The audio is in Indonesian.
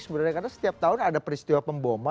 sebenarnya karena setiap tahun ada peristiwa pemboma